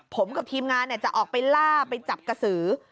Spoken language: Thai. ผมกับทีมงานจะออกไปล่าไปจับกระสือ